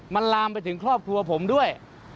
มันลามไปถึงครอบครัวผมด้วย